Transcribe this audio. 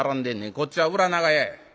こっちは裏長屋や。